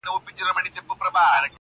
د زړه لاسونه مو مات ، مات سول پسي.